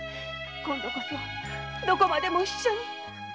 今度こそどこまでも一緒に。